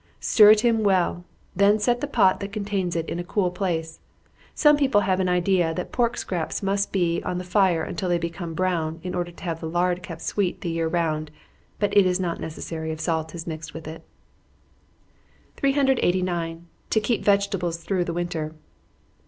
Stir it in well, then set the pot that contains it in a cool place. Some people have an idea that the pork scraps must be on the fire until they become brown, in order to have the lard kept sweet the year round, but it is not necessary, if salt is mixed with it. 389. _To keep Vegetables through the Winter.